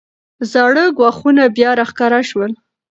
زاړه ګواښونه بیا راښکاره شول.